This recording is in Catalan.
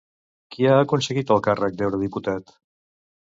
Qui ha aconseguit el càrrec d'eurodiputat?